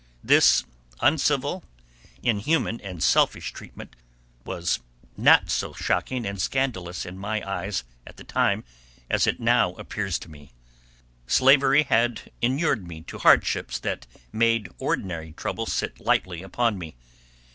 This uncivil, inhuman, and selfish treatment was not so shocking and scandalous in my eyes at the time as it now appears to me. Slavery had inured me to hardships that made ordinary trouble sit lightly upon me.